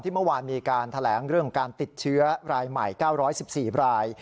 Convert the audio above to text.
เมื่อวานมีการแถลงเรื่องการติดเชื้อรายใหม่๙๑๔ราย